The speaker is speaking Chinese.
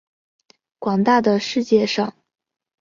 广大的世界上